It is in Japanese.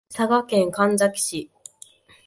佐賀県神埼市